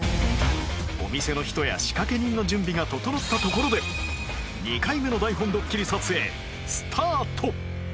お店の人や仕掛け人の準備が整ったところで２回目の台本どっきり撮影スタート！